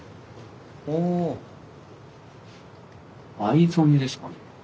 藍染めですかね。